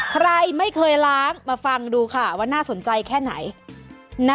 ใครไม่เคยล้างมาฟังดูค่ะว่าน่าสนใจแค่ไหน